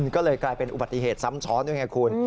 ก็เลยกลายเป็นอุบัติเหตุซ้ำซ้อนด้วยไงคุณ